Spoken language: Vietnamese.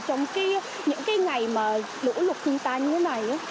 trong những ngày lũ lục khung tan như thế này